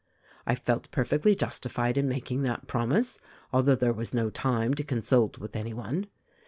"I felt perfectly justified in making that promise, although there was no time to consult with anyone.